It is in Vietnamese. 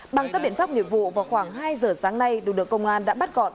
bằng các biện pháp nhiệm vụ vào khoảng hai giờ sáng nay đối tượng công an đã bắt gọn